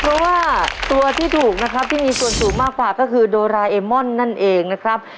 เพราะว่าตัวที่ถูกนะครับที่มีส่วนสูงมากกว่าก็คือโดราเอมอนนั่นเองนะครับ